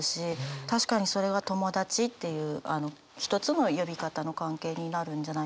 確かにそれは友達っていう一つの呼び方の関係になるんじゃないかなと思います。